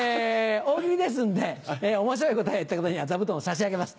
「大喜利」ですんで面白い答えを言った方には座布団を差し上げます。